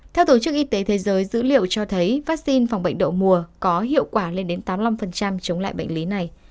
theo tổ chức y tế thế giới dữ liệu cho thấy vaccine phòng bệnh đậu mùa có hiệu quả lên đến tám mươi năm chống lại bệnh lý này